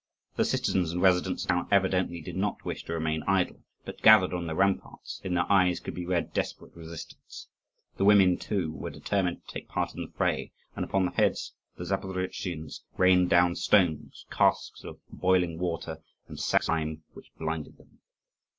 The citizens and residents of the town evidently did not wish to remain idle, but gathered on the ramparts; in their eyes could be read desperate resistance. The women too were determined to take part in the fray, and upon the heads of the Zaporozhians rained down stones, casks of boiling water, and sacks of lime which blinded them.